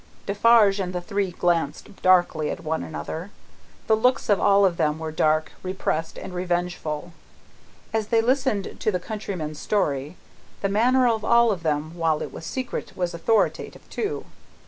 Defarge and the three glanced darkly at one another. The looks of all of them were dark, repressed, and revengeful, as they listened to the countryman's story; the manner of all of them, while it was secret, was authoritative too.